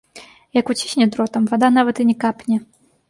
Як уцісне дротам, вада нават і не капне.